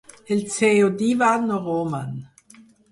El seu "Divan" no roman.